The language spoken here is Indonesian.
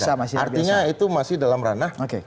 artinya itu masih dalam ranah